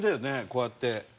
こうやって。